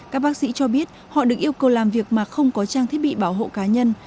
các bác sĩ cho biết họ được yêu cầu làm việc mà không có trang thiết bị bảo hộ cá nhân